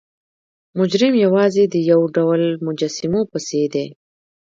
مجرم یوازې د یو ډول مجسمو پسې دی.